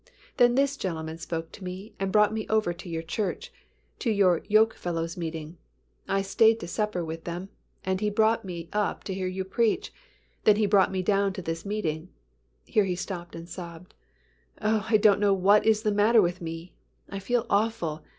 Then this gentleman spoke to me and brought me over to your church, to your Yoke Fellows' Meeting. I stayed to supper with them and he brought me up to hear you preach, then he brought me down to this meeting." Here he stopped and sobbed, "Oh, I don't know what is the matter with me. I feel awful.